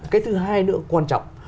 cái thứ hai nữa quan trọng